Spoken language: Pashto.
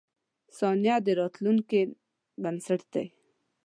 • ثانیه د راتلونکې بنسټ دی.